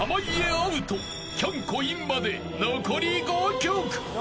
アウトきょんこインまで残り５曲］